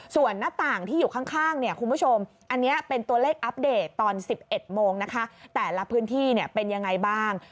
ส่วนหน้าต่างที่อยู่ข้างเนี่ยคุณผู้ชมอันนี้เป็นตัวเลขอัปเดตตอน๑๑โมงนะคะแต่ละพื้นที่เป็นยังไงบ้าง